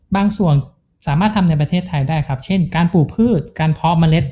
บางส่วนสามารถทำในประเทศไทยได้ครับเช่นการปลูกพืชการเพาะเมล็ด